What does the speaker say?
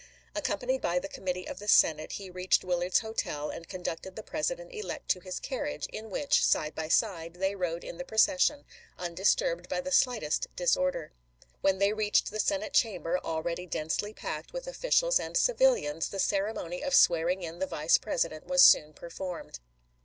Accompanied by the Com mittee of the Senate, he reached Willard's Hotel and conducted the President elect to his carriage, in which, side by side, they rode in the procession, undisturbed by the slightest disorder. When they reached the Senate Chamber, already densely packed with officials and civilians, the ceremony of swearing in the Vice President was soon per formed.